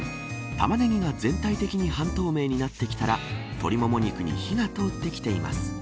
タマネギが全体的に半透明になってきたら鶏もも肉に火が通ってきています。